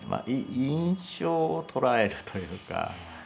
印象を捉えるというか。